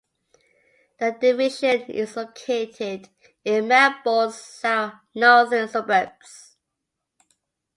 The division is located in Melbourne's northern suburbs.